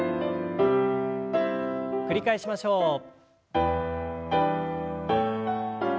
繰り返しましょう。